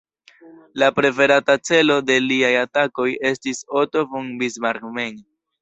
La preferata celo de liaj atakoj estis Otto von Bismarck mem.